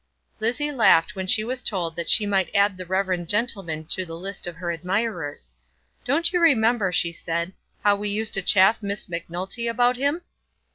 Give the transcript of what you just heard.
Lizzie laughed when she was told that she might add the reverend gentleman to the list of her admirers. "Don't you remember," she said, "how we used to chaff Miss Macnulty about him?"